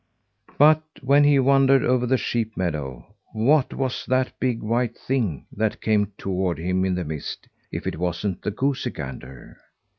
But when he wandered over the sheep meadow, what was that big, white thing that came toward him in the mist if it wasn't the goosey gander?